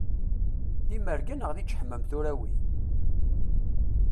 D imerga neɣ d iǧeḥmam tura wi?